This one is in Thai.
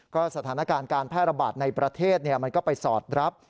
ก็สถานการณ์การแพร่ระบาดในประเทศมันก็ไปสอดรับ